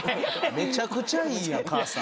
めちゃくちゃいいやん母さん。